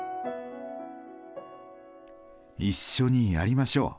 「一緒にやりましょう」。